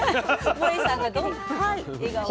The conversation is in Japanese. もえさんが笑顔に。